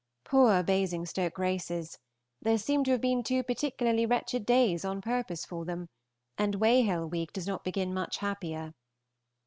Poor Basingstoke races! There seem to have been two particularly wretched days on purpose for them; and Weyhill week does not begin much happier.